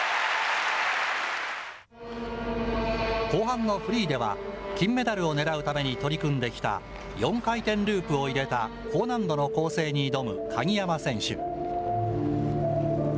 後半のフリーでは、金メダルをねらうために取り組んできた、４回転ループを入れた高難度の構成に挑む鍵山選手。